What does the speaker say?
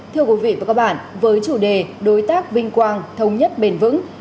thưa quý vị với chủ đề đối tác vinh quang thống nhất bền vững